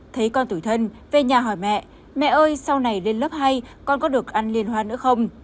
thấy con tử thân về nhà hỏi mẹ mẹ ơi sau này lên lớp hay con có được ăn liên hoa nữa không